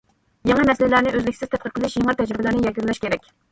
يېڭى مەسىلىلەرنى ئۈزلۈكسىز تەتقىق قىلىش، يېڭى تەجرىبىلەرنى يەكۈنلەش كېرەك.